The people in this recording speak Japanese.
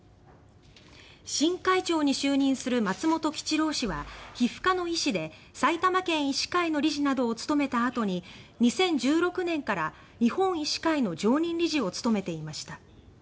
新会長に就任する松本吉郎氏は皮膚科の医師で埼玉県医師会の理事などを務めたあとに２０１６年から日本医師会の常任理事を務めていました。